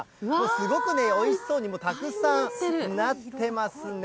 すごくね、おいしそうにたくさんなってますね。